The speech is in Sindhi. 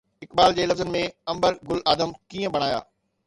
اقبال جي لفظن ۾، عنبر گل آدم ڪيئن بڻايان؟